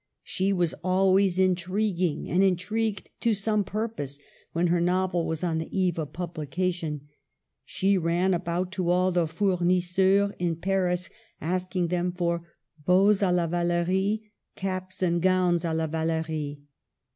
She was always intriguing, and intrigued to some purpose when her novel was on the eve of publication. She ran about to all the fournisseurs in Paris, asking them for bows d la Valerie, caps and gowns d la Va lerie.